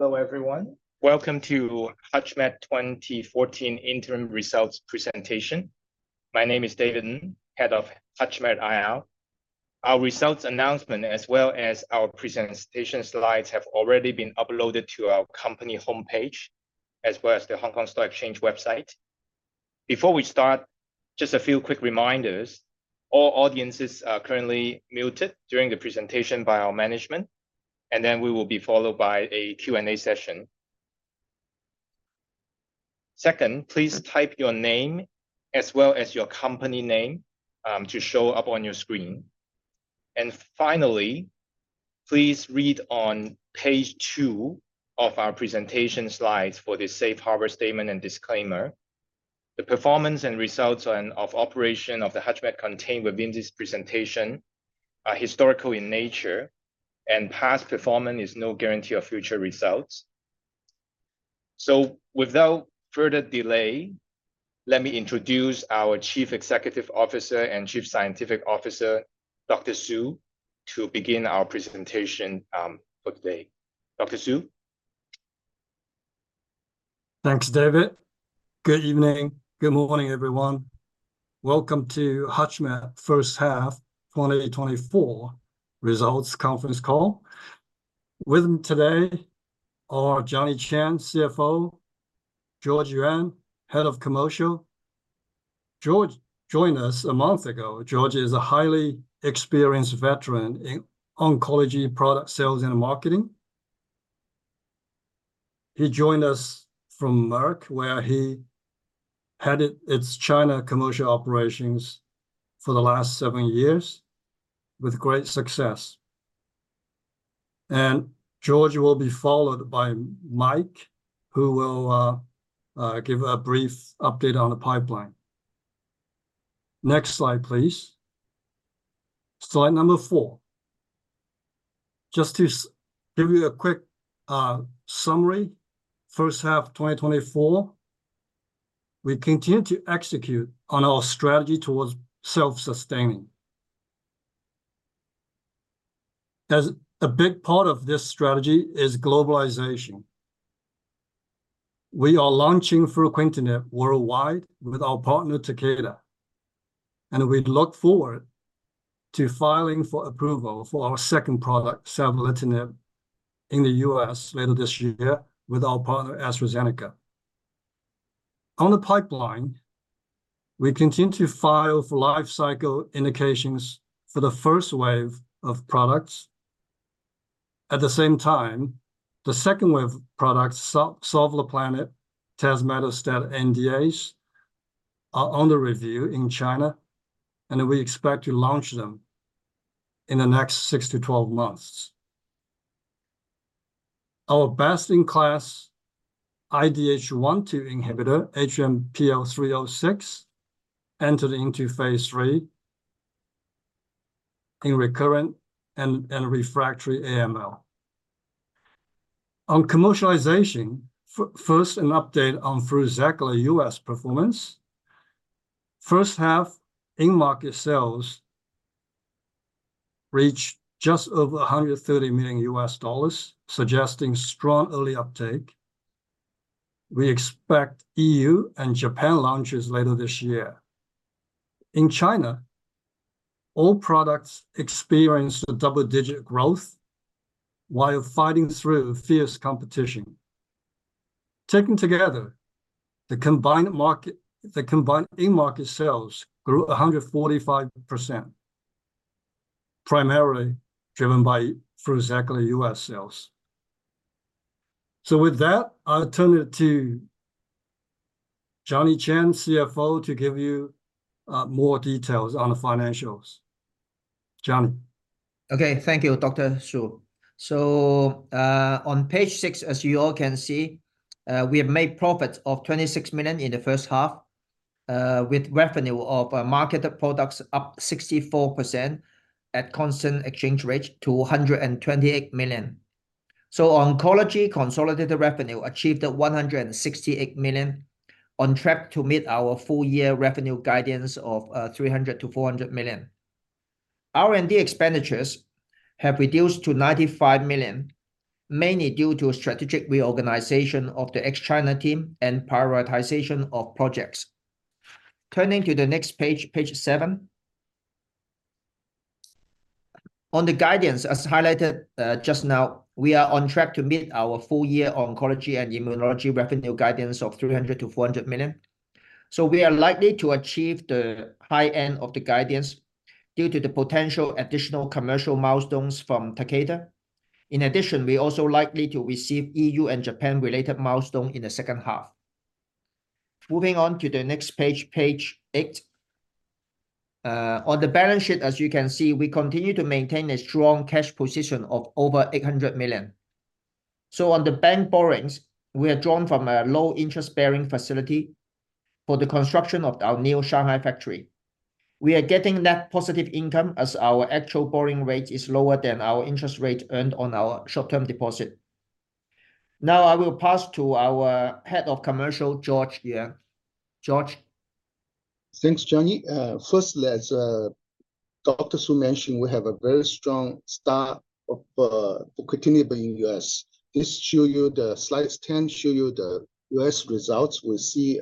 Hello, everyone. Welcome to HUTCHMED 2024 Interim Results Presentation. My name is David Ng, Head of HUTCHMED IR. Our results announcement, as well as our presentation slides, have already been uploaded to our company homepage, as well as the Hong Kong Stock Exchange website. Before we start, just a few quick reminders. All audiences are currently muted during the presentation by our management, and then we will be followed by a Q&A session. Second, please type your name as well as your company name to show up on your screen. And finally, please read on page two of our presentation slides for the safe harbor statement and disclaimer. The performance and results and operations of the HUTCHMED contained within this presentation are historical in nature, and past performance is no guarantee of future results. Without further delay, let me introduce our Chief Executive Officer and Chief Scientific Officer, Dr. Weiguo Su, to begin our presentation for today. Dr. Weiguo Su? Thanks, David. Good evening. Good morning, everyone. Welcome to HUTCHMED First Half 2024 Results Conference Call. With me today are Johnny Cheng, CFO, George Yuan, Head of Commercial. George joined us a month ago. George is a highly experienced veteran in oncology product sales and marketing. He joined us from Merck, where he headed its China commercial operations for the last 7 years with great success. George will be followed by Mike, who will give a brief update on the pipeline. Next slide, please. Slide number four. Just to give you a quick summary, first half 2024, we continue to execute on our strategy towards self-sustaining. As a big part of this strategy is globalization. We are launching fruquintinib worldwide with our partner, Takeda, and we look forward to filing for approval for our second product, savolitinib, in the U.S. later this year with our partner, AstraZeneca. On the pipeline, we continue to file for life cycle indications for the first wave of products. At the same time, the second wave of products, sovleplenib, tazemetostat NDAs, are under review in China, and we expect to launch them in the next 6-12 months. Our best-in-class IDH1/2 inhibitor, HMPL-306, entered into phase III in recurrent and refractory AML. On commercialization, first, an update on FRUZAQLA US performance. H1, in-market sales reached just over $130 million, suggesting strong early uptake. We expect EU and Japan launches later this year. In China, all products experienced a double-digit growth while fighting through fierce competition. Taken together, the combined market, the combined in-market sales grew 145%, primarily driven by FRUZAQLA US sales. So with that, I'll turn it to Johnny Cheng, CFO, to give you more details on the financials. Johnny? Okay. Thank you, Dr. Su. So, on page six, as you all can see, we have made profits of $26 million in the H1, with revenue of marketed products up 64% at constant exchange rate to $128 million. So oncology consolidated revenue achieved at $168 million, on track to meet our full year revenue guidance of $300 million-$400 million. R&D expenditures have reduced to $95 million, mainly due to a strategic reorganization of the ex-China team and prioritization of projects. Turning to the next page, page seven. On the guidance, as highlighted just now, we are on track to meet our full year oncology and immunology revenue guidance of $300 million-$400 million. So we are likely to achieve the high end of the guidance due to the potential additional commercial milestones from Takeda. In addition, we are also likely to receive EU and Japan related milestone in the H2. Moving on to the next page, page 8. On the balance sheet, as you can see, we continue to maintain a strong cash position of over $800 million. So on the bank borrowings, we are drawn from a low interest bearing facility for the construction of our new Shanghai factory. We are getting net positive income as our actual borrowing rate is lower than our interest rate earned on our short-term deposit. Now, I will pass to our Head of Commercial, George Yuan. George? Thanks, Johnny. Firstly, as Dr. Su mentioned, we have a very strong start of fruquintinib in U.S. This shows you the slide. 10 shows you the U.S. results. We see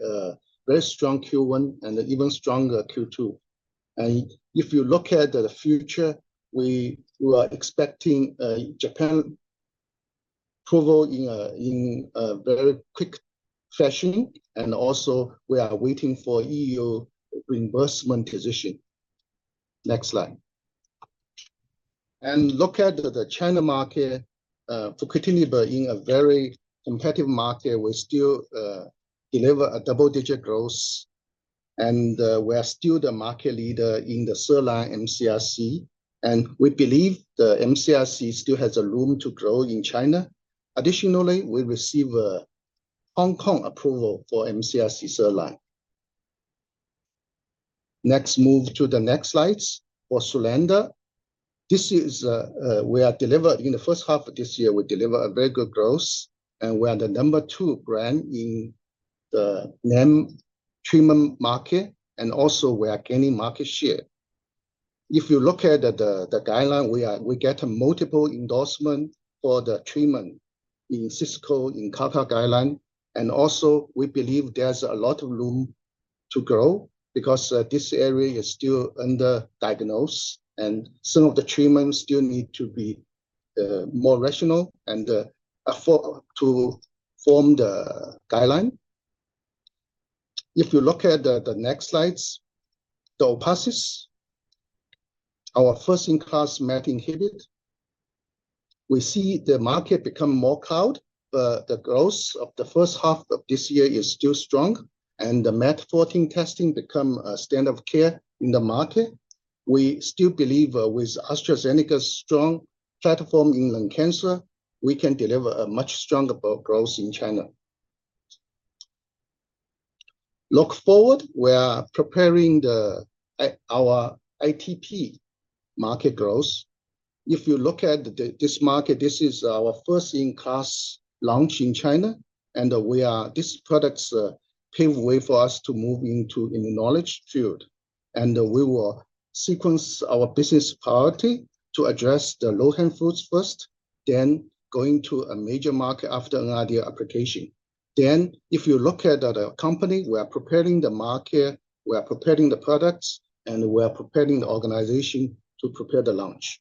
very strong Q1 and an even stronger Q2. And if you look at the future, we are expecting Japan approval in a very quick fashion, and also we are waiting for EU reimbursement position. Next slide. Look at the China market, fruquintinib in a very competitive market, we still deliver a double-digit growth, and we are still the market leader in the 3L mCRC, and we believe the mCRC still has a room to grow in China. Additionally, we receive a Hong Kong approval for mCRC 3L. Next, move to the next slides, for SULANDA. This is, we have delivered, in the H1 of this year, we delivered a very good growth, and we are the number two brand in the NET treatment market, and also we are gaining market share. If you look at the guideline, we get a multiple endorsement for the treatment in CSCO, in CAP guidelines, and also we believe there's a lot of room to grow because this area is still underdiagnosed, and some of the treatment still need to be, for, to form the guideline. If you look at the next slides, ORPATHYS, our first-in-class MET inhibitor. We see the market become more crowded, but the growth of the H1 of this year is still strong, and the MET 14 testing become a standard of care in the market. We still believe, with AstraZeneca's strong platform in lung cancer, we can deliver a much stronger growth in China. Looking forward, we are preparing our ITP market growth. If you look at this market, this is our first-in-class launch in China, and we are. This product paves the way for us to move into immunology field, and we will sequence our business priority to address the low-hanging fruits first, then going to a major market after an ideal application. Then, if you look at the company, we are preparing the market, we are preparing the products, and we are preparing the organization to prepare the launch.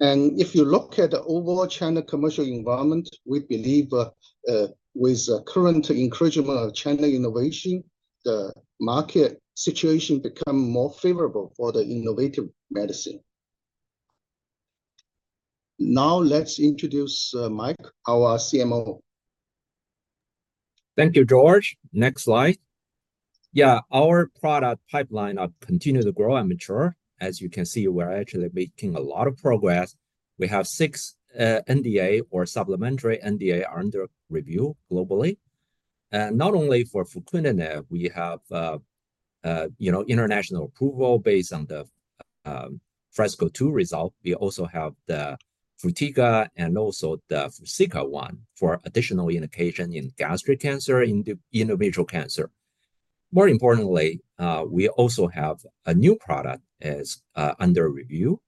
If you look at the overall China commercial environment, we believe, with current encouragement of China innovation, the market situation become more favorable for the innovative medicine. Now, let's introduce Mike, our CMO. Thank you, George. Next slide. Yeah, our product pipeline are continue to grow and mature. As you can see, we're actually making a lot of progress. We have six NDA or supplementary NDA under review globally. Not only for fruquintinib, we have, you know, international approval based on the FRESCO-2 result. We also have the FRUTIGA and also the FRUSICA-1 for additional indication in gastric cancer, in the endometrial cancer. More importantly, we also have a new product is under review.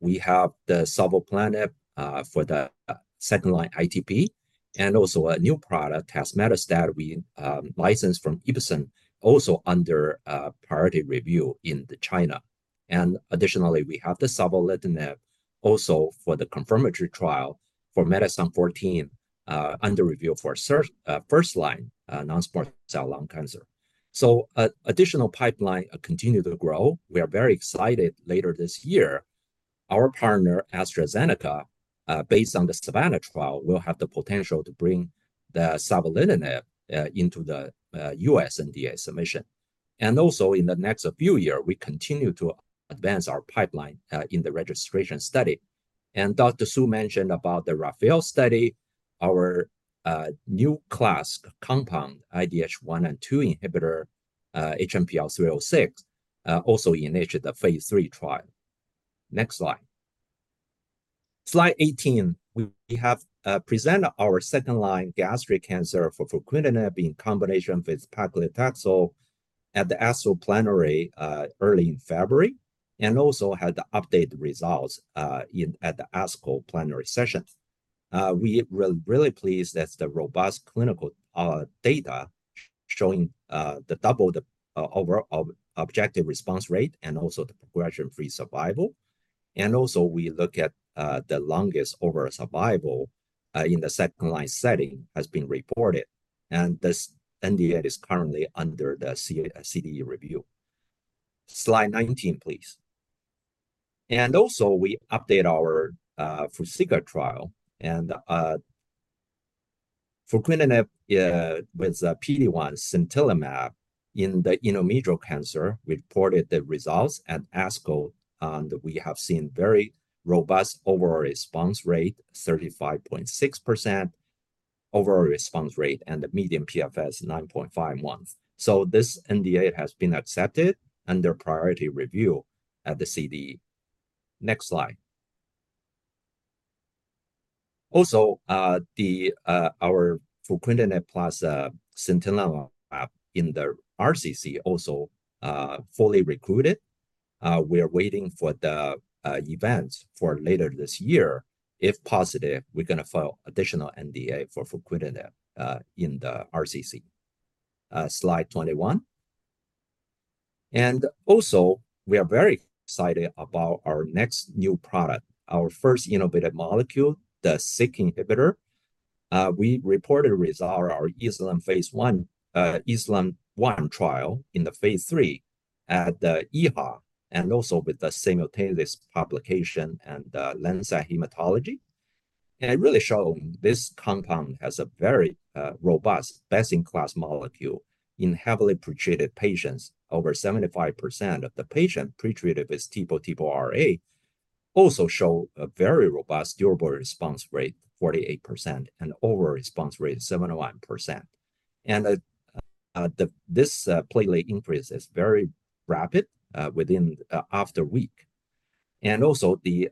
We have the sovleplenib for the second-line ITP, and also a new product, tazemetostat, we licensed from Ipsen, also under priority review in China. And additionally, we have the savolitinib also for the confirmatory trial for MET-driven under review for first-line non-small cell lung cancer. So our additional pipeline continues to grow. We are very excited later this year, our partner, AstraZeneca, based on the SAVANNAH trial, will have the potential to bring the savolitinib into the US NDA submission. And also in the next few years, we continue to advance our pipeline in the registration study. And Dr. Su mentioned about the RAPHAEL study, our new class compound, IDH1 and IDH2 inhibitor, HMPL-306, also initiated the phase three trial. Next slide. Slide 18, we have presented our second-line gastric cancer for fruquintinib in combination with paclitaxel at the ASCO Plenary early in February, and also had the updated results in at the ASCO plenary session. We are really pleased that the robust clinical data showing the double the overall objective response rate and also the progression-free survival. And also, we look at the longest overall survival in the second-line setting has been reported, and this NDA is currently under the CDE review. Slide 19, please. And also, we update our FRUSICA trial, and fruquintinib with PD-1 sintilimab in the endometrial cancer. We reported the results at ASCO, and we have seen very robust overall response rate, 35.6%, overall response rate, and the median PFS, 9.5 months. So this NDA has been accepted under priority review at the CDE. Next slide. Also, our fruquintinib plus sintilimab in the RCC also fully recruited. We are waiting for the events for later this year. If positive, we're going to file additional NDA for fruquintinib in the RCC. Slide 21. And also, we are very excited about our next new product, our first innovative molecule, the Syk inhibitor. We reported results of our ESLIM-01 phase 3 at the EHA, and also with the simultaneous publication in Lancet Hematology. And it really shows this compound has a very robust best-in-class molecule in heavily pretreated patients. Over 75% of the patients pretreated with TPO, TPO-RA, also show a very robust durable response rate, 48%, and overall response rate, 71%. And the this platelet increase is very rapid within after a week. And also the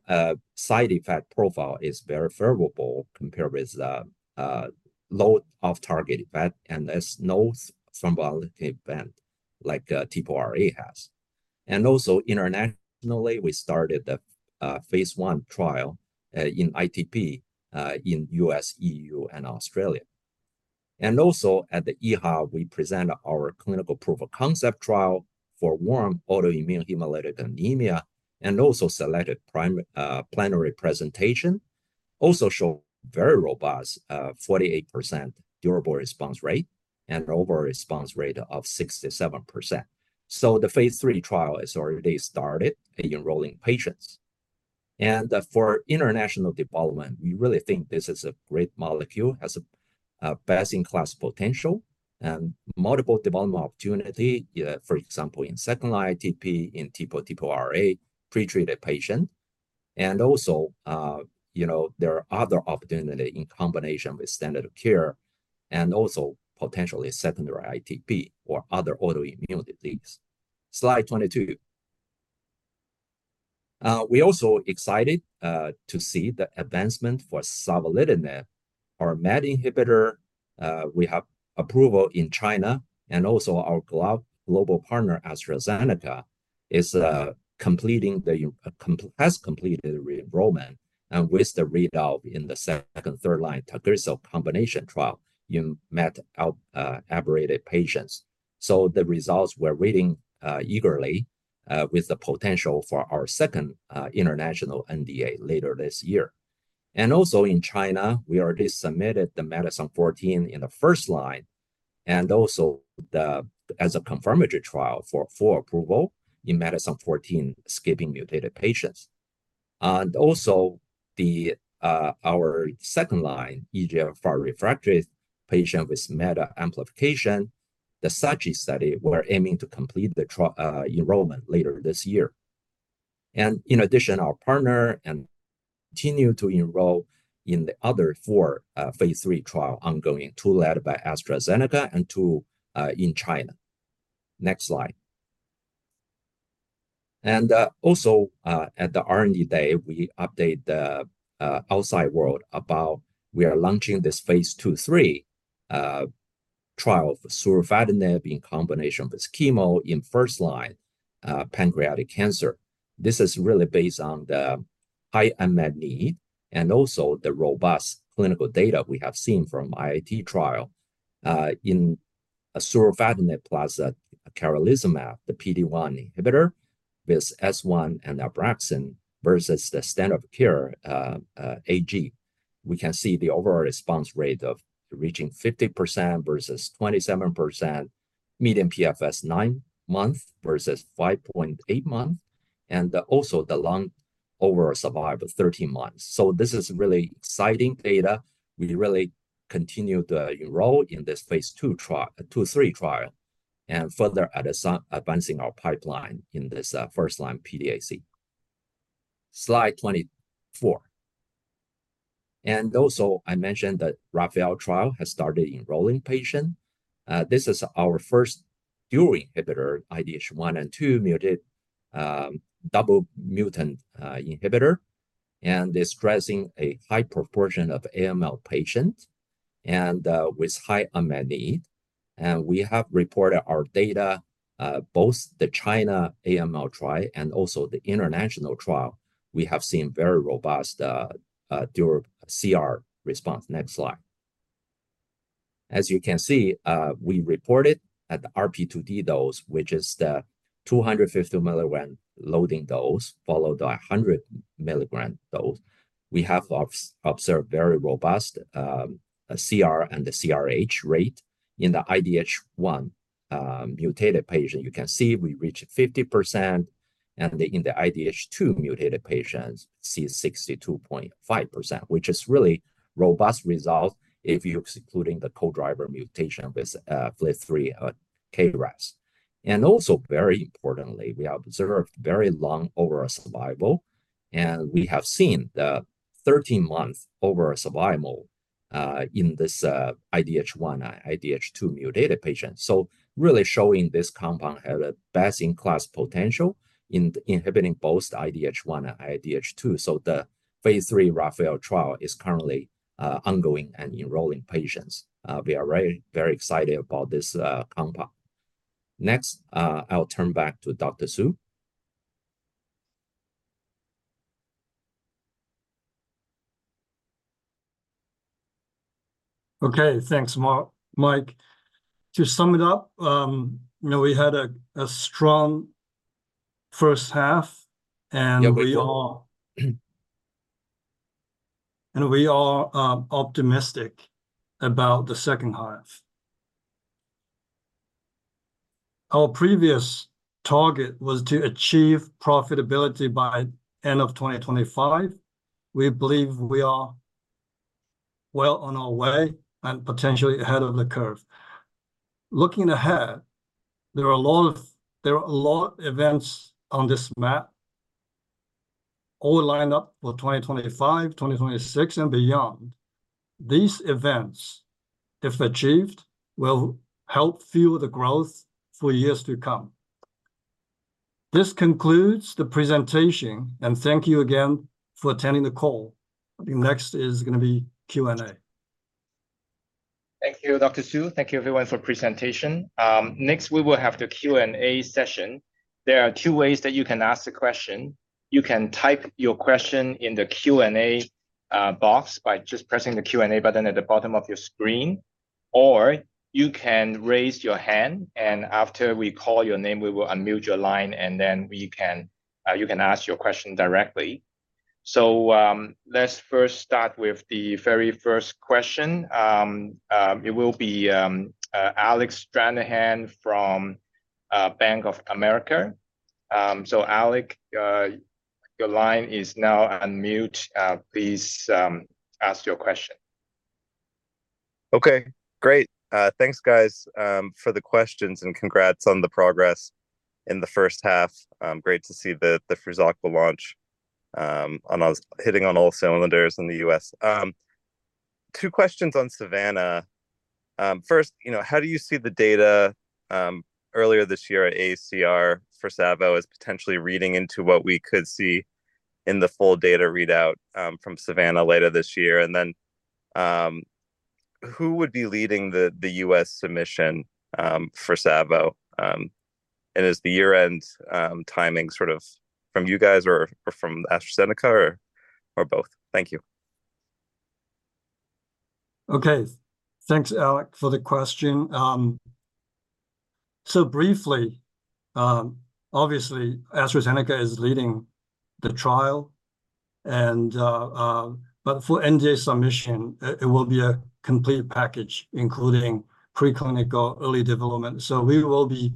side effect profile is very favorable compared with the low off-target effect, and there's no thrombotic event like TPO-RA has. And also internationally, we started the phase 1 trial in ITP in US, EU, and Australia. And also at the EHA, we present our clinical proof of concept trial for warm autoimmune hemolytic anemia, and also selected prime plenary presentation, also show very robust 48% durable response rate and overall response rate of 67%. So the phase 3 trial is already started enrolling patients. And for international development, we really think this is a great molecule, has a best-in-class potential and multiple development opportunity for example, in second-line ITP, in TPO-RA pretreated patient, and also you know, there are other opportunity in combination with standard of care and also potentially secondary ITP or other autoimmune disease. Slide 22. We also excited to see the advancement for savolitinib, our MET inhibitor. We have approval in China and also our global partner, AstraZeneca, has completed the re-enrollment and with the readout in the second and third line Tagrisso combination trial in MET-aberrated patients. So the results we're reading eagerly, with the potential for our second international NDA later this year. And also in China, we already submitted the MET exon 14 in the first line, and also the, as a confirmatory trial for approval in MET exon 14 skipping mutated patients. And also the, our second line, EGFR, for refractory patient with MET amplification, the SACHI study, we're aiming to complete the trial enrollment later this year. And in addition, our partner and continue to enroll in the other four phase III trials ongoing, two led by AstraZeneca and two in China. Next slide. Also, at the R&D day, we update the outside world about we are launching this phase 2/3 trial for surufatinib in combination with chemo in first-line pancreatic cancer. This is really based on the high unmet need and also the robust clinical data we have seen from IIT trial in surufatinib plus camrelizumab, the PD-1 inhibitor, with S-1 and ABRAXANE versus the standard of care. We can see the overall response rate of reaching 50% versus 27%, median PFS 9 months versus 5.8 months, and also the long overall survival of 13 months. So this is really exciting data. We really continue to enroll in this phase 2/3 trial and further advancing our pipeline in this first-line PDAC. Slide 24. Also, I mentioned that RAPHAEL trial has started enrolling patient. This is our first dual inhibitor, IDH1 and 2 mutated, double mutant, inhibitor, and it's addressing a high proportion of AML patient and with high unmet need. We have reported our data, both the China AML trial and also the international trial. We have seen very robust, CR response. Next slide. As you can see, we reported at the RP2D dose, which is the 250 mg loading dose, followed by a 100 mg dose. We have observed very robust, CR and the CRH rate in the IDH1, mutated patient. You can see we reach 50%, and in the IDH2 mutated patients, see 62.5%, which is really robust result if you're excluding the co-driver mutation with FLT3, KRAS. And also, very importantly, we observed very long overall survival, and we have seen the 13 month overall survival in this IDH1, IDH2 mutated patient. So really showing this compound has a best-in-class potential in inhibiting both IDH1 and IDH2. So the phase three RAPHAEL trial is currently ongoing and enrolling patients. We are very, very excited about this compound. Next, I'll turn back to Dr. Su. Okay, thanks, Mike. To sum it up, you know, we had a strong H1, and- Yeah, we did. -and we are optimistic about the H2. Our previous target was to achieve profitability by end of 2025. We believe we are well on our way and potentially ahead of the curve. Looking ahead, there are a lot of events on this map, all lined up for 2025, 2026, and beyond. These events, if achieved, will help fuel the growth for years to come. This concludes the presentation, and thank you again for attending the call. Next is gonna be Q&A. Thank you, Dr. Su. Thank you, everyone, for presentation. Next, we will have the Q&A session. There are two ways that you can ask the question. You can type your question in the Q&A box by just pressing the Q&A button at the bottom of your screen, or you can raise your hand, and after we call your name, we will unmute your line, and then we can, you can ask your question directly. So, let's first start with the very first question. It will be Alec Stranahan from Bank of America. So, Alec, your line is now unmuted. Please ask your question. Okay, great. Thanks, guys, for the questions, and congrats on the progress in the H1. Great to see the FRUZAQLA launch, and also hitting on all cylinders in the U.S. Two questions on SAVANNAH. First, you know, how do you see the data earlier this year at ASCO for Savo as potentially reading into what we could see in the full data readout from SAVANNAH later this year? And then, who would be leading the U.S. submission for Savo, and is the year-end timing sort of from you guys or from AstraZeneca or both? Thank you. Okay. Thanks, Alec, for the question. So briefly, obviously, AstraZeneca is leading the trial, and, but for NDA submission, it will be a complete package, including preclinical early development. So we will be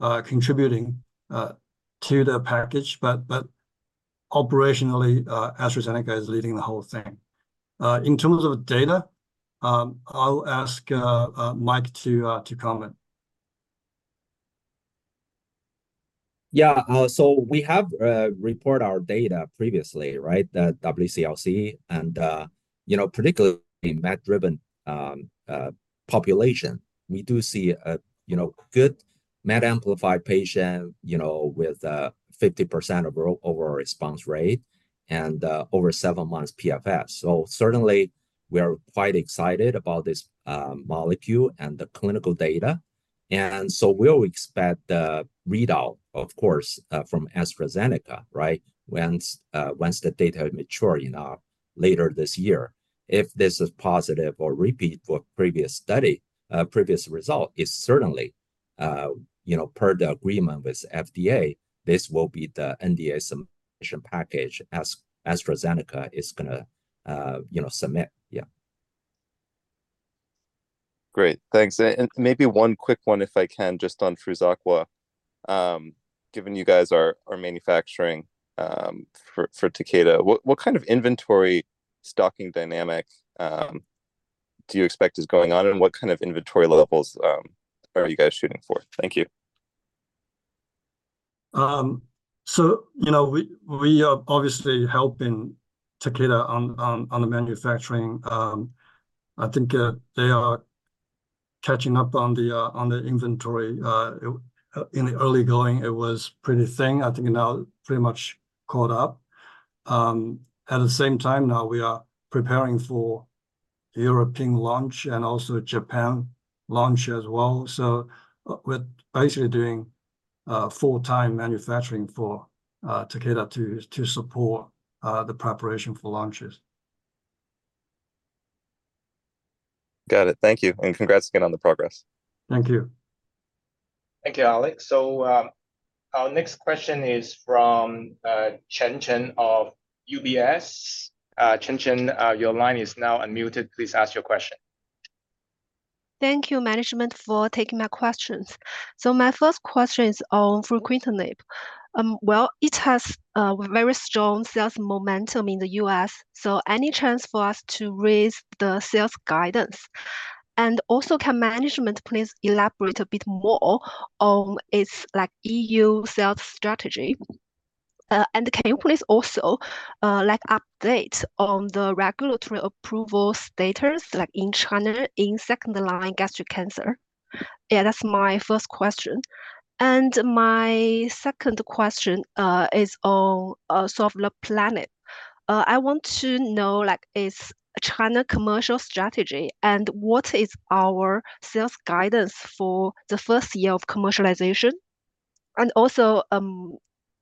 contributing to the package, but operationally, AstraZeneca is leading the whole thing. In terms of data, I'll ask Mike to comment. Yeah. So we have report our data previously, right? The WCLC and, you know, particularly in MET-driven population, we do see a, you know, good MET-amplified patient, you know, with, 50% ORR and, over 7 months PFS. So certainly, we are quite excited about this, molecule and the clinical data, and so we'll expect the readout, of course, from AstraZeneca, right? Once, once the data is mature enough later this year. If this is positive or repeat for previous study, previous result is certainly, you know, per the agreement with FDA, this will be the NDA submission package as AstraZeneca is gonna, you know, submit. Yeah. Great. Thanks. And maybe one quick one, if I can, just on FRUZAQLA. Given you guys are manufacturing for Takeda, what kind of inventory stocking dynamic do you expect is going on, and what kind of inventory levels are you guys shooting for? Thank you. So you know, we are obviously helping Takeda on the manufacturing. I think they are catching up on the inventory. In the early going, it was pretty thin. I think now pretty much caught up. At the same time, now we are preparing for the European launch and also Japan launch as well. So, we're basically doing full-time manufacturing for Takeda to support the preparation for launches. Got it. Thank you, and congrats again on the progress. Thank you. Thank you, Alec. So, our next question is from Chen Chen of UBS. Chen Chen, your line is now unmuted. Please ask your question. Thank you, management, for taking my questions. So my first question is on fruquintinib. Well, it has very strong sales momentum in the US, so any chance for us to raise the sales guidance? And also, can management please elaborate a bit more on its like EU sales strategy? And can you please also like update on the regulatory approval status, like in China, in second line gastric cancer? Yeah, that's my first question. And my second question is on sovleplenib. I want to know like is China commercial strategy, and what is our sales guidance for the first year of commercialization? And also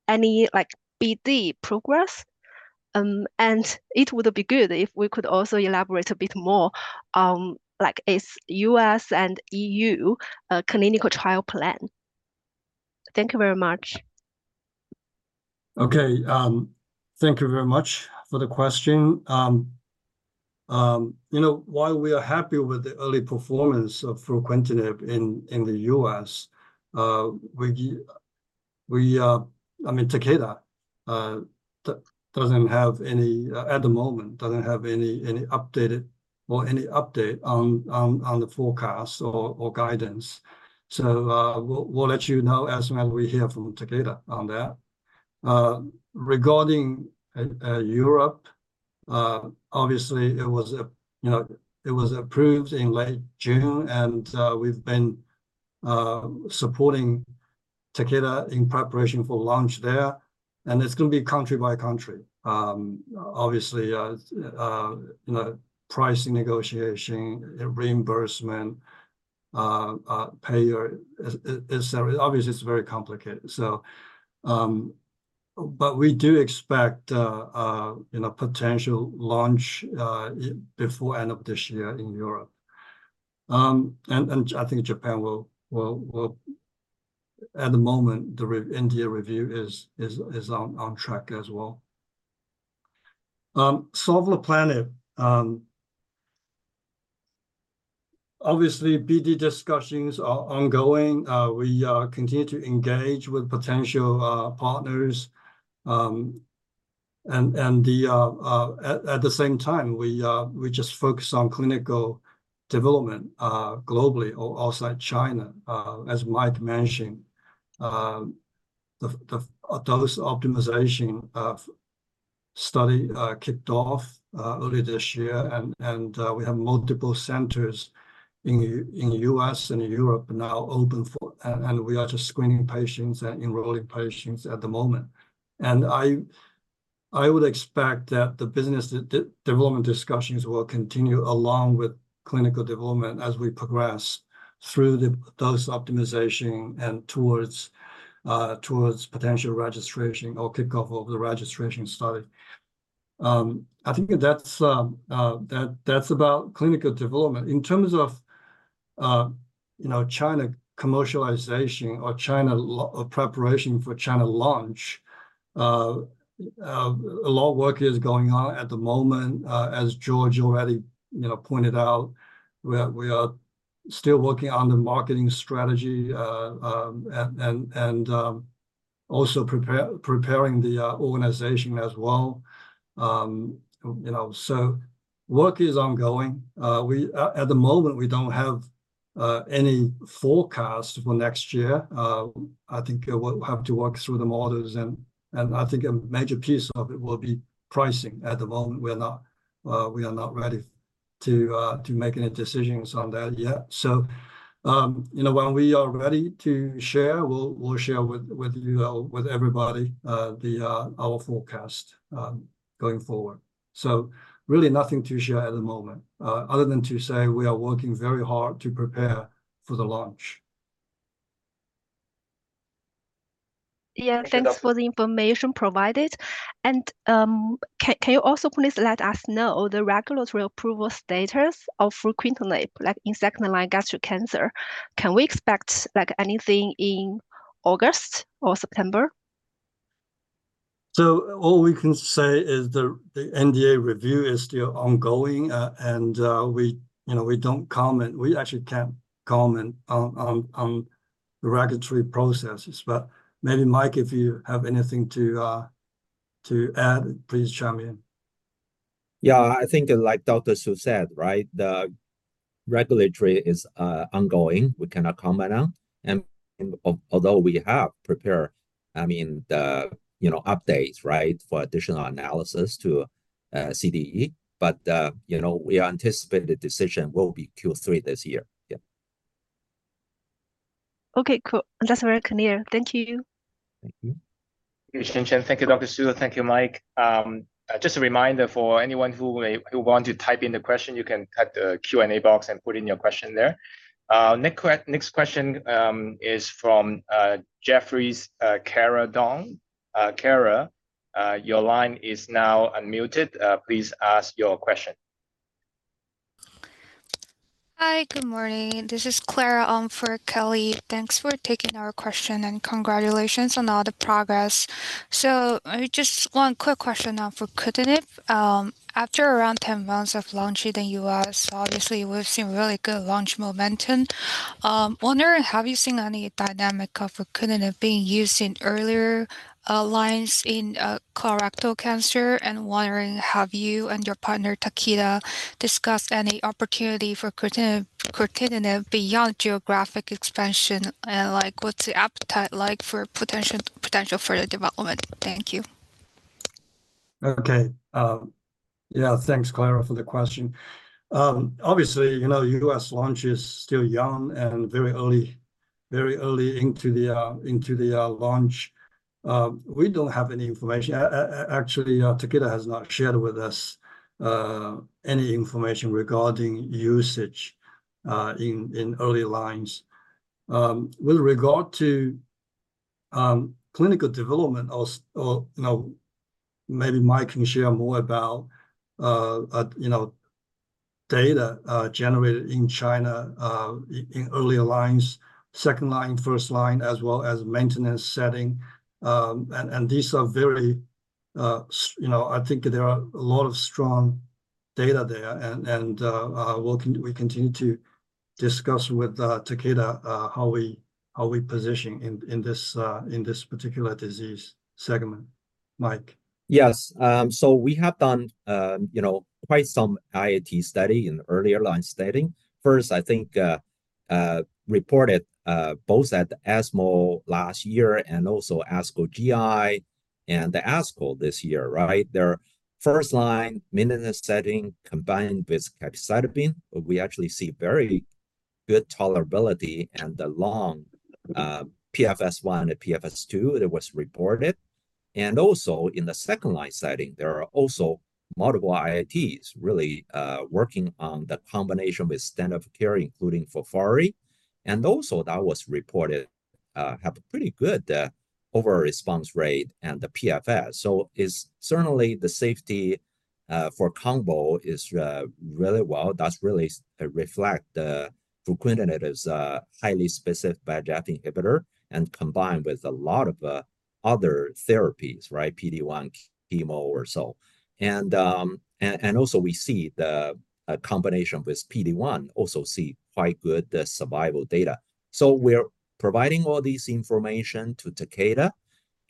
any like BD progress. And it would be good if we could also elaborate a bit more like is US and EU clinical trial plan. Thank you very much. Okay. Thank you very much for the question. You know, while we are happy with the early performance of fruquintinib in the U.S., we, I mean, Takeda doesn't have any, at the moment, doesn't have any updated or any update on the forecast or guidance. So, we'll let you know as well we hear from Takeda on that. Regarding Europe, obviously, you know, it was approved in late June, and we've been supporting Takeda in preparation for launch there, and it's gonna be country by country. Obviously, you know, pricing, negotiation, reimbursement, payer is obviously very complicated. So, but we do expect, you know, potential launch before end of this year in Europe. I think Japan will. At the moment, the re-NDA review is on track as well. Sovleplenib, obviously, BD discussions are ongoing. We continue to engage with potential partners. At the same time, we just focus on clinical development globally or outside China. As Mike mentioned, the dose optimization of study kicked off early this year. We have multiple centers in the U.S. and in Europe now open, and we are just screening patients and enrolling patients at the moment. I would expect that the business development discussions will continue, along with clinical development as we progress through those optimization and towards potential registration or kickoff of the registration study. I think that's about clinical development. In terms of, you know, China commercialization or China launch or preparation for China launch, a lot of work is going on at the moment. As George already, you know, pointed out, we are still working on the marketing strategy, and also preparing the organization as well. You know, so work is ongoing. At the moment, we don't have any forecast for next year. I think we'll have to work through the models, and I think a major piece of it will be pricing. At the moment, we are not ready to make any decisions on that yet. So, you know, when we are ready to share, we'll share with you, with everybody, our forecast going forward. So really nothing to share at the moment, other than to say we are working very hard to prepare for the launch. Yeah. Thank you. Thanks for the information provided. Can you also please let us know the regulatory approval status of fruquintinib, like in second-line gastric cancer? Can we expect, like, anything in August or September? So all we can say is the NDA review is still ongoing, and we, you know, we don't comment. We actually can't comment on the regulatory processes. But maybe, Mike, if you have anything to add, please chime in. Yeah. I think like Dr. Su said, right, the regulatory is ongoing. We cannot comment now, and although we have prepared, I mean, the, you know, updates, right, for additional analysis to CDE, but, you know, we anticipate the decision will be Q3 this year. Yeah. Okay, cool. That's very clear. Thank you. Thank you. Thank you, Chen Chen. Thank you, Dr. Su. Thank you, Mike. Just a reminder for anyone who may want to type in the question, you can type the Q&A box and put in your question there. Next question is from Jefferies, Clara Dong. Clara, your line is now unmuted. Please ask your question. Hi, good morning. This is Clara for Kelly. Thanks for taking our question, and congratulations on all the progress. So just one quick question on fruquintinib. After around 10 months of launch in the U.S., obviously, we've seen really good launch momentum. Wondering, have you seen any dynamic of fruquintinib being used in earlier lines in colorectal cancer? And wondering, have you and your partner, Takeda, discussed any opportunity for fruquintinib beyond geographic expansion? And like, what's the appetite like for potential further development? Thank you. Okay. Yeah, thanks, Clara, for the question. Obviously, you know, U.S. launch is still young and very early, very early into the launch. We don't have any information. Actually, Takeda has not shared with us any information regarding usage in early lines. With regard to clinical development or, you know, maybe Mike can share more about, you know, data generated in China in earlier lines, second line, first line, as well as maintenance setting. And, you know, I think there are a lot of strong data there, and we'll continue to discuss with Takeda how we position in this particular disease segment. Mike? Yes. So we have done, you know, quite some IIT study in the earlier line setting. First, I think, reported both at the ESMO last year and also ASCO GI and the ASCO this year, right? Their first-line maintenance setting combined with capecitabine, we actually see very good tolerability and the long PFS-1 and PFS-2 that was reported. And also in the second line setting, there are also multiple IITs really working on the combination with standard of care, including FOLFIRI. And also that was reported have a pretty good overall response rate and the PFS. So is certainly the safety for combo is really well. That's really reflect the fruquintinib as a highly specific VEGFR inhibitor and combined with a lot of other therapies, right? PD-1, chemo or so. And also we see a combination with PD-1, also see quite good the survival data. So we're providing all this information to Takeda,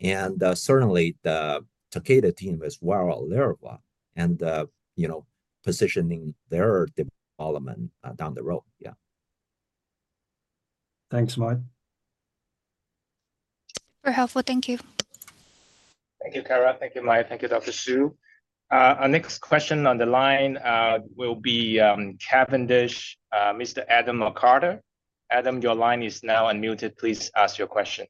and certainly the Takeda team is well aware of and you know, positioning their development down the road. Yeah. Thanks, Mike. Very helpful. Thank you. Thank you, Clara. Thank you, Mike. Thank you, Dr. Su. Our next question on the line will be Cavendish, Mr. Adam McCarter. Adam, your line is now unmuted. Please ask your question.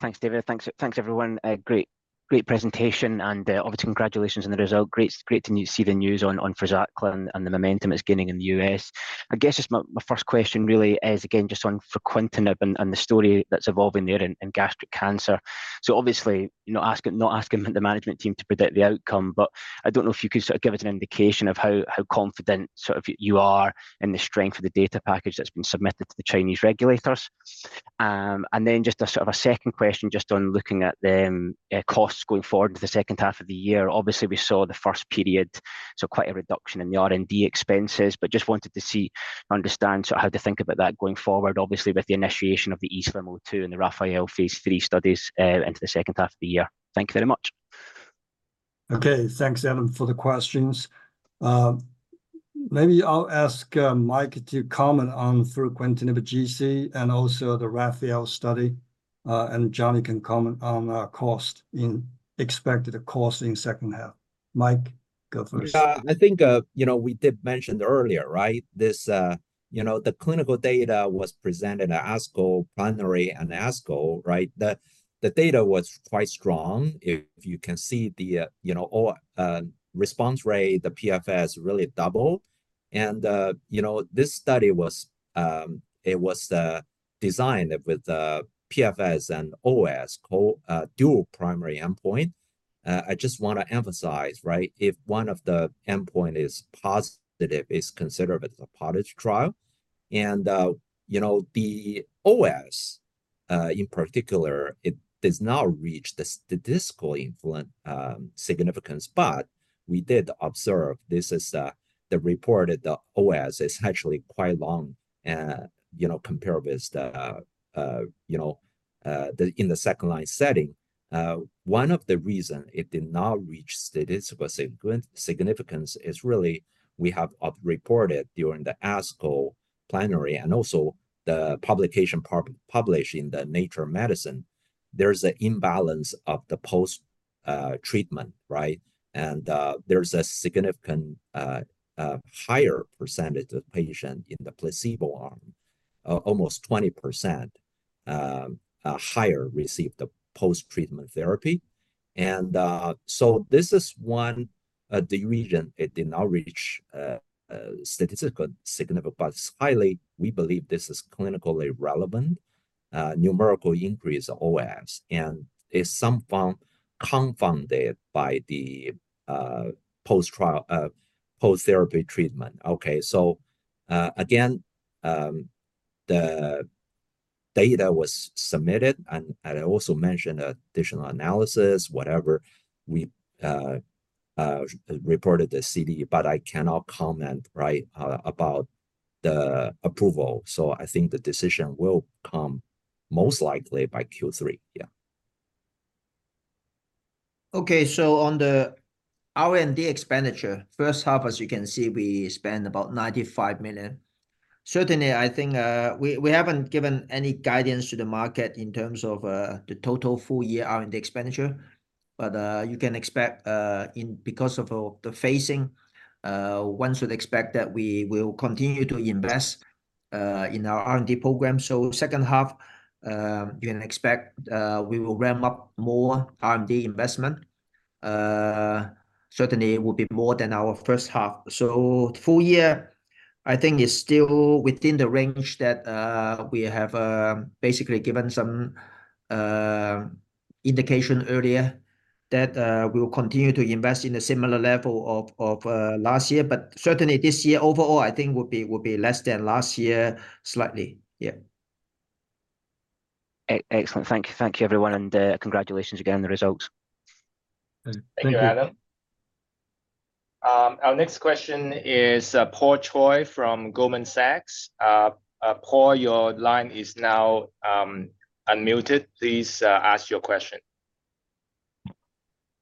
Thanks, David. Thanks, thanks, everyone. A great, great presentation, and obviously, congratulations on the result. Great, great to see the news on FRUZAQLA and the momentum it's gaining in the U.S. I guess just my, my first question really is, again, just on fruquintinib and the story that's evolving there in gastric cancer. So obviously, you know, asking not asking the management team to predict the outcome, but I don't know if you could sort of give us an indication of how, how confident sort of you, you are in the strength of the data package that's been submitted to the Chinese regulators. And then just a sort of a second question, just on looking at the costs going forward into the second half of the year. Obviously, we saw the first period, so quite a reduction in the R&D expenses, but just wanted to see, understand sort of how to think about that going forward, obviously, with the initiation of the ESLIM-02 and the RAPHAEL phase III studies, into the H2 of the year. Thank you very much. Okay. Thanks, Adam, for the questions. Maybe I'll ask Mike to comment on fruquintinib GC and also the RAPHAEL study, and Johnny can comment on expected cost in H2. Mike, go first. I think, you know, we did mention earlier, right? This, you know, the clinical data was presented at ASCO Plenary and ASCO, right? The data was quite strong. If you can see the, you know, response rate, the PFS really double. And, you know, this study was, it was designed with PFS and OS dual primary endpoint. I just want to emphasize, right, if one of the endpoint is positive, it's considered as a positive trial. And, you know, the OS, in particular, it does not reach the statistical significance, but we did observe this is the reported OS is actually quite long, you know, compared with the in the second line setting. One of the reasons it did not reach statistical significance is really we have reported during the ASCO Plenary and also the publication, published in Nature Medicine. There's an imbalance of the post-treatment, right? And there's a significant higher percentage of patients in the placebo arm, almost 20% higher received the post-treatment therapy. And so this is one of the reasons it did not reach statistical significance, but highly, we believe this is clinically relevant numerical increase of OS, and it's somehow confounded by the post-trial post-therapy treatment. Okay, so again, the data was submitted, and I also mentioned additional analysis, whatever we reported the CDE, but I cannot comment, right, about the approval. So I think the decision will come most likely by Q3. Yeah. Okay, so on the R&D expenditure, first half, as you can see, we spent about $95 million. Certainly, I think, we haven't given any guidance to the market in terms of, the total full year R&D expenditure. But, you can expect, in because of, the phasing, one should expect that we will continue to invest, in our R&D program. So H2 you can expect, we will ramp up more R&D investment. Certainly it will be more than our H1. So full year, I think is still within the range that, we have, basically given some, indication earlier, that, we will continue to invest in a similar level of, of, last year. But certainly this year overall, I think will be, will be less than last year, slightly. Yeah. Excellent. Thank you. Thank you everyone, and, congratulations again, the results. Thank you, Adam. Our next question is Paul Choi from Goldman Sachs. Paul, your line is now unmuted. Please ask your question.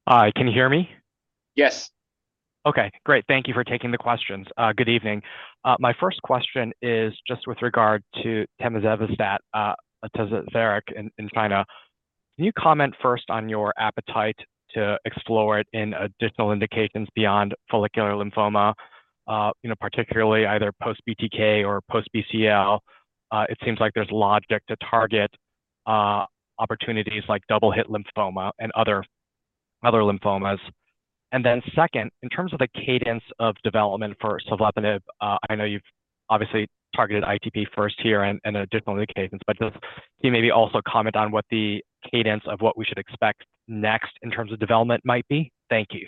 Hi, can you hear me? Yes. Okay, great. Thank you for taking the questions. Good evening. My first question is just with regard to tazemetostat, TAZVERIK in China. Can you comment first on your appetite to explore it in additional indications beyond follicular lymphoma, you know, particularly either post-BTK or post-BCL? It seems like there's logic to target opportunities like double hit lymphoma and other lymphomas. And then second, in terms of the cadence of development for sovleplenib, I know you've obviously targeted ITP first here and additional indications, but just can you maybe also comment on what the cadence of what we should expect next in terms of development might be? Thank you.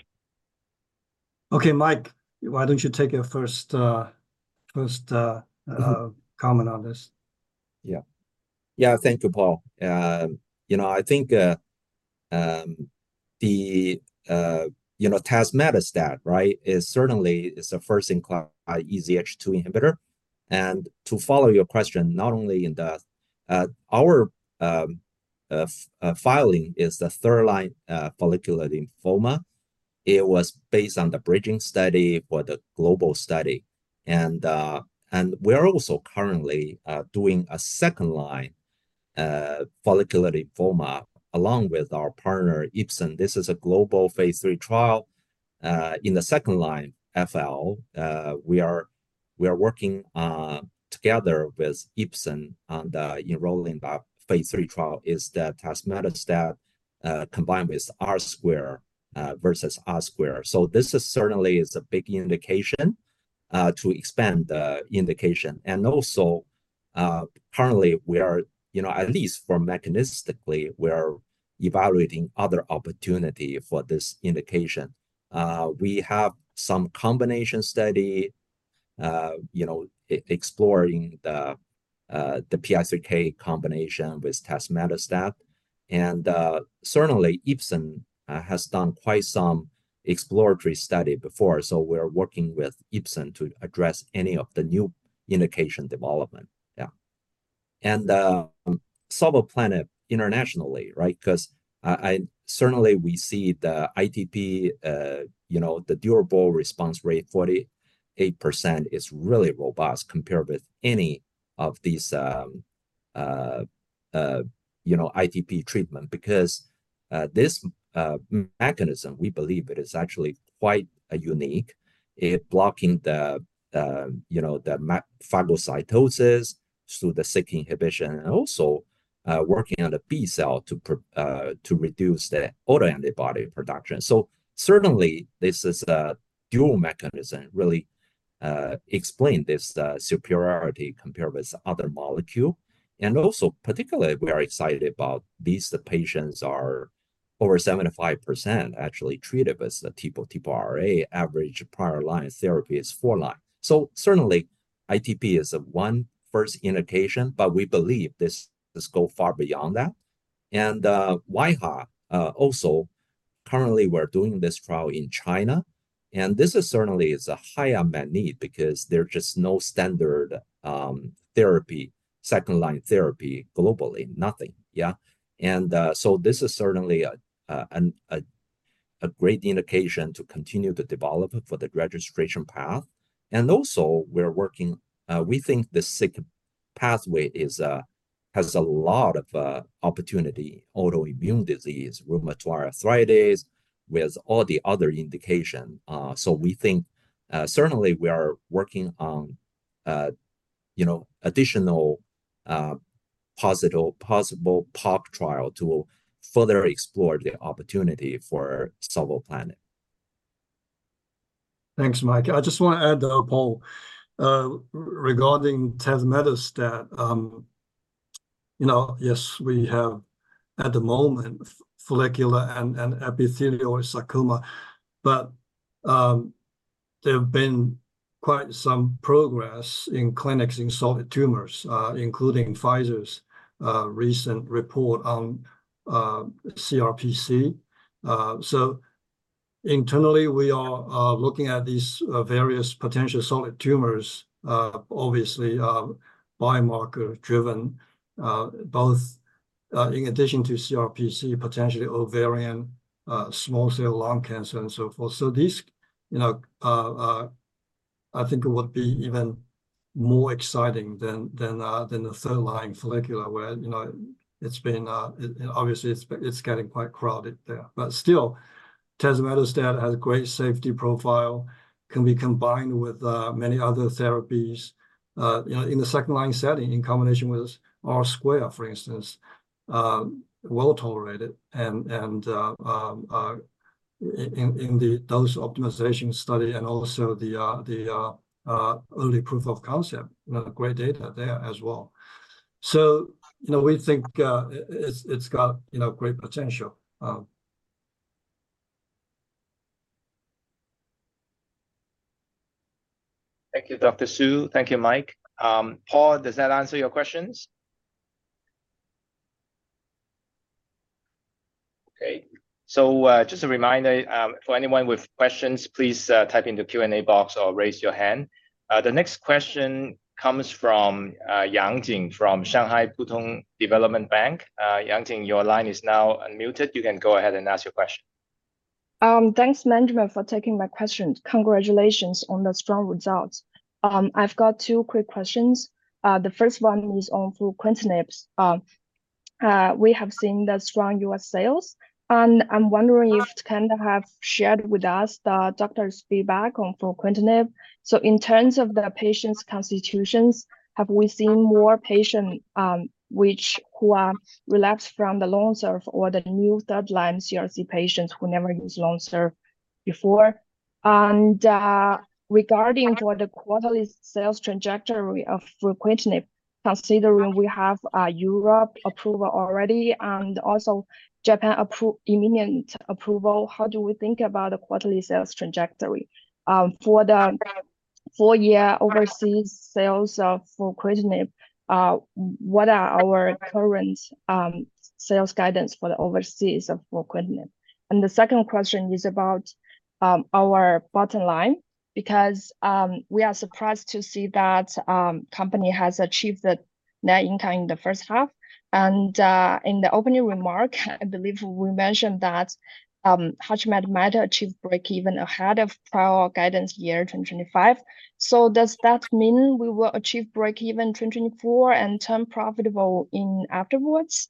Okay, Mike, why don't you take a first, first. Mm-hm. comment on this? Yeah. Yeah, thank you, Paul. You know, I think, you know, tazemetostat, right, is certainly is the first-in-class EZH2 inhibitor. And to follow your question, not only in our filing is the third line follicular lymphoma. It was based on the bridging study for the global study. And, and we're also currently doing a second line follicular lymphoma, along with our partner, Ipsen. This is a global phase III trial. In the second line, FL, we are, we are working together with Ipsen on the enrolling the phase III trial, is the tazemetostat combined with R2 versus R2. So this is certainly is a big indication to expand the indication. And also, currently we are, you know, at least for mechanistically, we are evaluating other opportunity for this indication. We have some combination study, you know, exploring the, the PI3K combination with tazemetostat. And, certainly Ipsen has done quite some exploratory study before, so we're working with Ipsen to address any of the new indication development. Yeah. And, Sovleplenib internationally, right? Because, I certainly we see the ITP, you know, the durable response rate, 48% is really robust compared with any of these, you know, ITP treatment, because, this, mechanism, we believe it is actually quite a unique, it blocking the, you know, the macrophage phagocytosis through the Syk inhibition, and also, working on the B-cell to pro, to reduce the autoantibody production. So certainly this is a dual mechanism, really, explain this, the superiority compared with other molecule. And also, particularly, we are excited about these patients are over 75% actually treated with the TPO-RA. Average prior line therapy is four line. So certainly, ITP is our first indication, but we believe this, this goes far beyond that. And, wAIHA, also currently we're doing this trial in China, and this is certainly is a high unmet need because there's just no standard therapy, second line therapy globally, nothing. Yeah. And, so this is certainly a great indication to continue the development for the registration path. And also we're working, we think the Syk pathway is has a lot of opportunity, autoimmune disease, rheumatoid arthritis, with all the other indication. So we think, certainly we are working on, you know, additional possible pop trial to further explore the opportunity for sovleplenib. Thanks, Mike. I just want to add, Paul, regarding tazemetostat, you know, yes, we have at the moment, follicular and epithelial sarcoma, but, there have been quite some progress in clinics in solid tumors, including Pfizer's recent report on CRPC. So internally, we are looking at these various potential solid tumors, obviously, biomarker driven, in addition to CRPC, potentially ovarian, small cell lung cancer, and so forth. So this, you know, I think it would be even more exciting than the third line follicular, where, you know, it's been obviously, it's getting quite crowded there. But still, tazemetostat has great safety profile, can be combined with many other therapies. You know, in the second-line setting, in combination with R2, for instance, well-tolerated, and in the dose optimization study and also the early proof of concept, you know, great data there as well. So, you know, we think, it's got, you know, great potential. Thank you, Dr. Su. Thank you, Mike. Paul, does that answer your questions? Okay. So, just a reminder, for anyone with questions, please, type in the Q&A box or raise your hand. The next question comes from Yang Zheng from Shanghai Pudong Development Bank. Yang Zheng, your line is now unmuted. You can go ahead and ask your question. Thanks, management, for taking my question. Congratulations on the strong results. I've got two quick questions. The first one is on fruquintinib. We have seen the strong U.S. sales, and I'm wondering if you can have shared with us the doctors' feedback on fruquintinib. So in terms of the patients' constitutions, have we seen more patient, who are relapsed from the LONSURF or the new third-line CRC patients who never used LONSURF before? And, regarding to the quarterly sales trajectory of fruquintinib, considering we have, Europe approval already, and also Japan imminent approval, how do we think about the quarterly sales trajectory? For the full year overseas sales of fruquintinib, what are our current, sales guidance for the overseas of fruquintinib? The second question is about our bottom line, because we are surprised to see that company has achieved the net income in the H1. In the opening remark, I believe we mentioned that HUTCHMED might achieve break-even ahead of our guidance year, 2025. So does that mean we will achieve break-even in 2024 and turn profitable afterwards?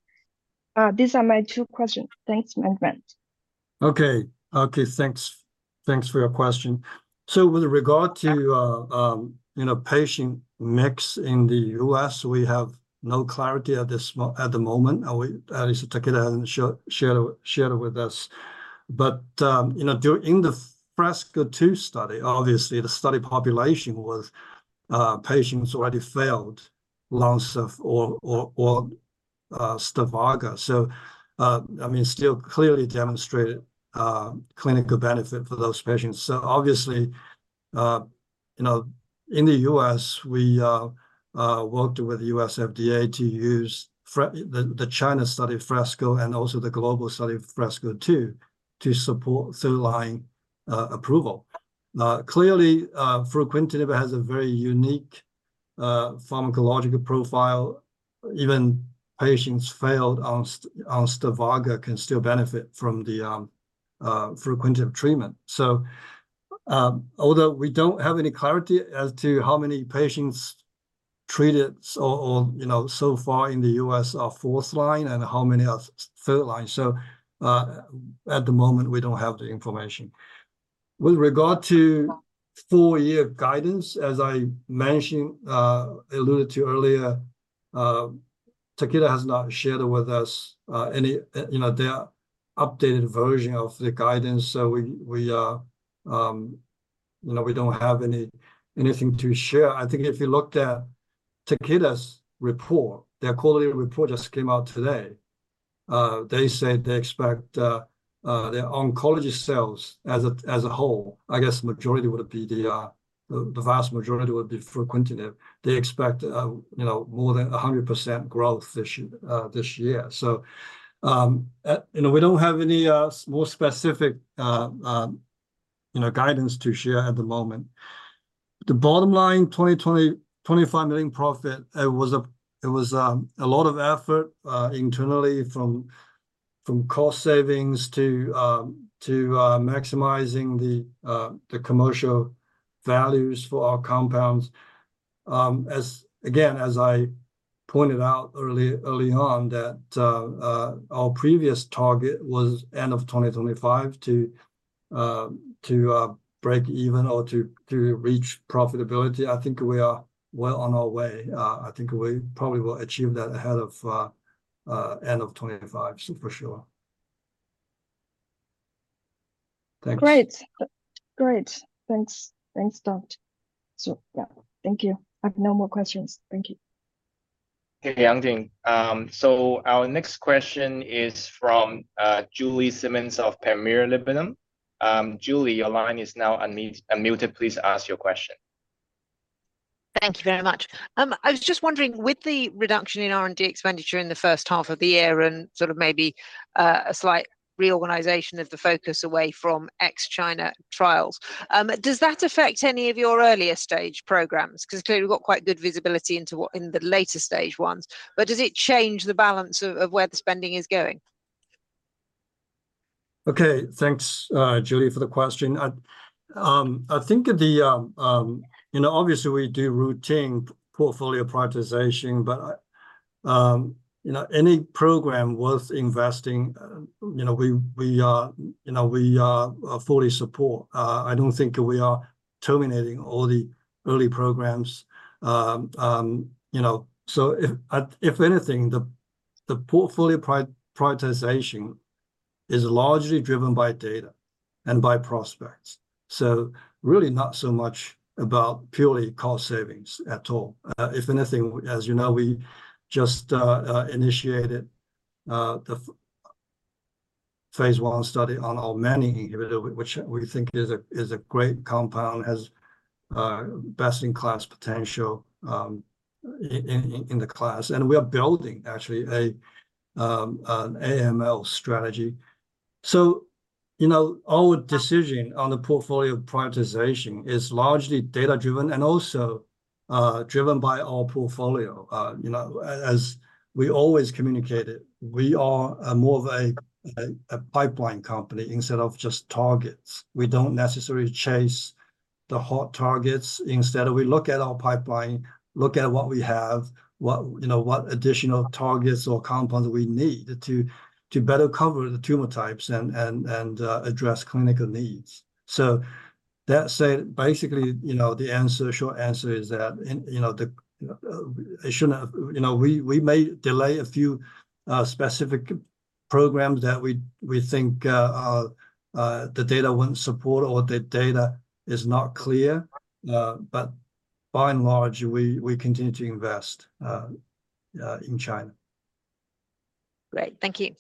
These are my two questions. Thanks, management. Okay. Okay, thanks. Thanks for your question. So with regard to, you know, patient mix in the US, we have no clarity at the moment, or we, at least Takeda hasn't shared with us. But, you know, during the FRESCO-2 study, obviously, the study population was patients already failed LONSURF or STIVARGA. So, I mean, still clearly demonstrated clinical benefit for those patients. So obviously, you know, in the U.S., we worked with the U.S. FDA to use the China study, FRESCO, and also the global study, FRESCO-2, to support third-line approval. Now, clearly, fruquintinib has a very unique pharmacological profile. Even patients failed on STIVARGA can still benefit from the fruquintinib treatment. Although we don't have any clarity as to how many patients treated you know so far in the U.S. are fourth line, and how many are third line, at the moment, we don't have the information. With regard to full year guidance, as I mentioned, alluded to earlier, Takeda has not shared with us, any you know, their updated version of the guidance. So we don't have anything to share. I think if you looked at Takeda's report, their quarterly report just came out today, they said they expect, their oncology sales as a whole, I guess majority would be the vast majority would be fruquintinib. They expect, you know, more than 100% growth this year, this year. So, you know, we don't have any more specific, you know, guidance to share at the moment. The bottom line, $25 million profit. It was a lot of effort internally from cost savings to maximizing the commercial values for our compounds. As again, as I pointed out early on, that our previous target was end of 2025 to break even or to reach profitability. I think we are well on our way. I think we probably will achieve that ahead of end of 2025, so for sure. Thanks. Great. Great, thanks. Thanks, Dr. Su. Yeah, thank you. I have no more questions. Thank you. Okay, Yang Zheng. So our next question is from Julie Simmonds of Panmure Liberum. Julie, your line is now unmuted. Please ask your question. Thank you very much. I was just wondering, with the reduction in R&D expenditure in the first half of the year and sort of maybe, a slight reorganization of the focus away from ex-China trials, does that affect any of your earlier stage programs? Because clearly, we've got quite good visibility into what in the later stage ones, but does it change the balance of where the spending is going? Okay, thanks, Julie, for the question. I think the, you know, obviously we do routine portfolio prioritization, but, you know, any program worth investing, you know, we are fully support. I don't think we are terminating all the early programs. You know, so if anything, the portfolio prioritization is largely driven by data and by prospects, so really not so much about purely cost savings at all. If anything, as you know, we just initiated the phase I study on our MET inhibitor, which we think is a great compound, has best-in-class potential, in the class, and we are building actually an AML strategy. So, you know, our decision on the portfolio prioritization is largely data-driven and also driven by our portfolio. You know, as we always communicate it, we are more of a pipeline company instead of just targets. We don't necessarily chase the hot targets. Instead, we look at our pipeline, look at what we have, you know, what additional targets or compounds we need to better cover the tumor types and address clinical needs. So that said, basically, you know, the short answer is that, and, you know, the, it shouldn't have, you know, we may delay a few specific programs that we think the data wouldn't support or the data is not clear, but by and large, we continue to invest in China. Great. Thank you.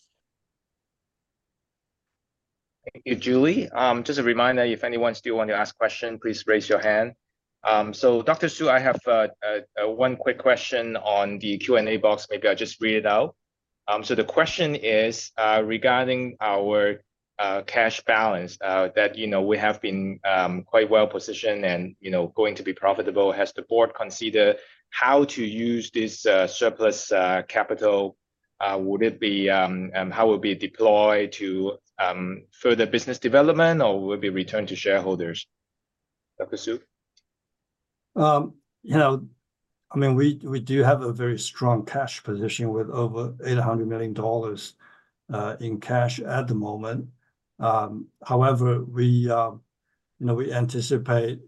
Thank you, Julie. Just a reminder, if anyone still want to ask question, please raise your hand. So Dr. Su, I have one quick question on the Q&A box. Maybe I'll just read it out. So the question is, regarding our cash balance, that, you know, we have been quite well positioned and, you know, going to be profitable. Has the board considered how to use this surplus capital? Would it be, and how would it be deployed to further business development or will be returned to shareholders? Dr. Su? You know, I mean, we do have a very strong cash position with over $800 million in cash at the moment. However, we, you know, we anticipate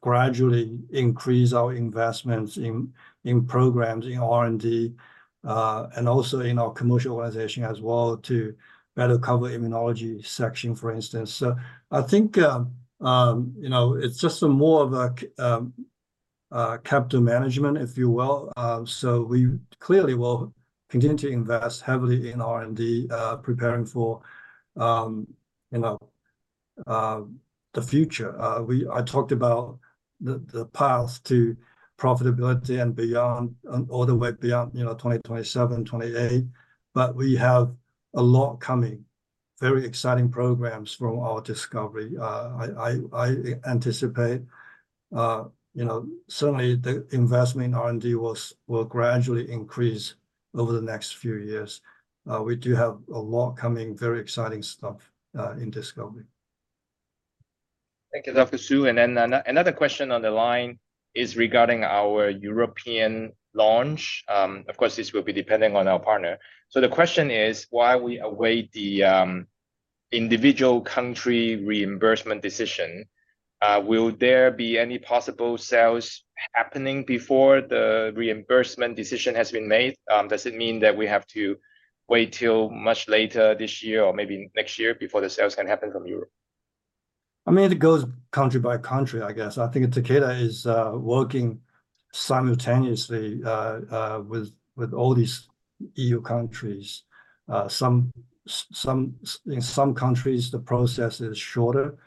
gradually increase our investments in programs, in R&D, and also in our commercial organization as well, to better cover immunology section, for instance. So I think, you know, it's just a more of a capital management, if you will. So we clearly will continue to invest heavily in R&D, preparing for, you know, the future. We, I talked about the path to profitability and beyond, and all the way beyond, you know, 2027, 2028, but we have a lot coming. Very exciting programs from our discovery. I anticipate, you know, certainly the investment in R&D will gradually increase over the next few years. We do have a lot coming, very exciting stuff, in discovery. Thank you, Dr. Su. Another question on the line is regarding our European launch. Of course, this will be depending on our partner. So the question is, while we await the individual country reimbursement decision, will there be any possible sales happening before the reimbursement decision has been made? Does it mean that we have to wait till much later this year or maybe next year before the sales can happen from Europe? I mean, it goes country by country, I guess. I think Takeda is working simultaneously with all these EU countries. Some in some countries, the process is shorter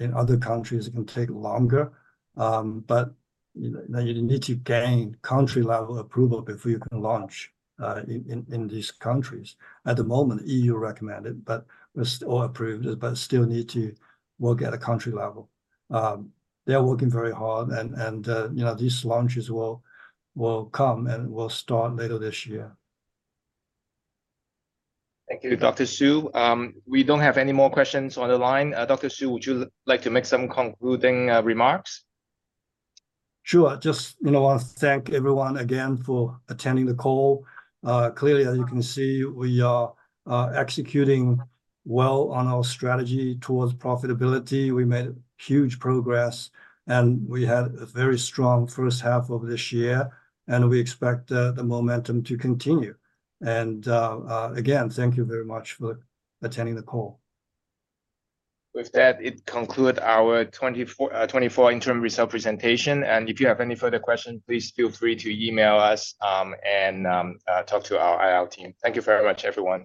in other countries it can take longer. But, you know, you need to gain country-level approval before you can launch in these countries. At the moment, EU recommended, but we're or approved, but still need to work at a country level. They are working very hard and, you know, these launches will come and will start later this year. Thank you, Dr. Su. We don't have any more questions on the line. Dr. Su, would you like to make some concluding remarks? Sure. Just, you know, I want to thank everyone again for attending the call. Clearly, as you can see, we are executing well on our strategy towards profitability. We made huge progress, and we had a very strong first half of this year, and we expect the momentum to continue. Again, thank you very much for attending the call. With that, it conclude our 2024 interim result presentation, and if you have any further questions, please feel free to email us and talk to our IR team. Thank you very much, everyone.